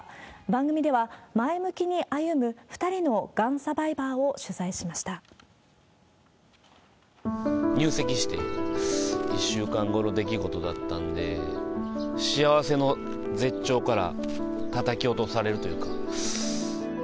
番組では、前向きに歩む２人のがんサバイバーを取材しました。入籍して１週間後の出来事だったんで、幸せの絶頂からたたき落されるというか。